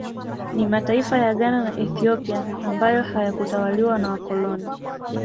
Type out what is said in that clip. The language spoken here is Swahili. Ni mataifa ya Ghana na Ethiopia ambayo hayakutawaliwa na wakoloni